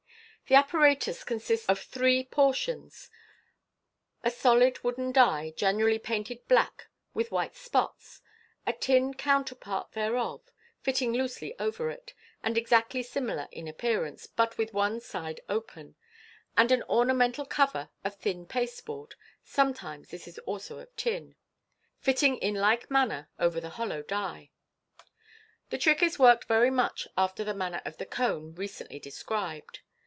The apparatus consists of three por tions— a solid wooden die, generally painted black with white spots, a tin counterpart thereof, — fitting loosely over it, and exactly similar in appearance, but with one side open, — and an ornamental cover of thin pasteboard (sometimes this also is of tin), fitting in like manner over the hollow die. The trick is worked very much after the manner of the " cone," recently described.